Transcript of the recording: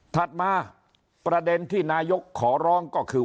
ถัดมาประเด็นที่นายกขอร้องก็คือ